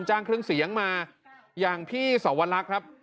เครื่องเสียงมาอย่างพี่สวรรคครับ